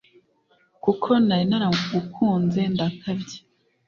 Kuko nari naragukunze ndakabya